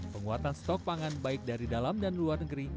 penguatan stok pangan baik dari dalam dan luar negeri